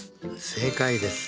正解です。